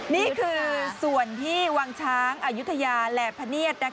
นี่คือส่วนที่วังช้างอายุทยาและพะเนียด